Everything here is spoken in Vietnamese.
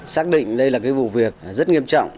xác định đây là cái vụ việc rất nghiêm trọng